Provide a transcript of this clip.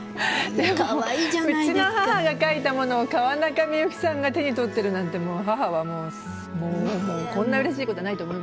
でもうちの母が描いたものを川中美幸さんが手に取ってるなんて母はもうこんなうれしいことはないと思いますけれども。